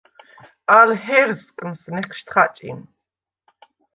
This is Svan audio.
ალ ჰერსკნს ნეჴშდ ხაჭიმ.